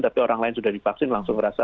tapi orang lain sudah divaksin langsung merasa